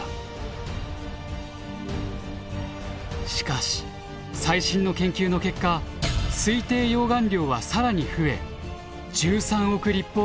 しかし最新の研究の結果推定溶岩量は更に増え１３億となったのです。